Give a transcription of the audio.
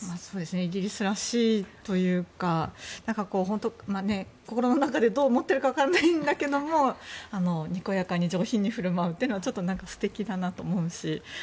イギリスらしいというか心の中でどう思っているかは分からないんだけれどもにこやかに上品に振る舞うというのはちょっと素敵だなと思うし。